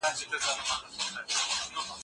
غیبت کول د مړي غوښه خوړل دي.